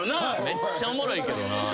めっちゃおもろいけどな。